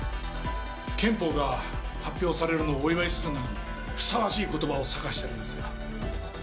憲法が発表されるのをお祝いするのにふさわしいことばを探してるんですが。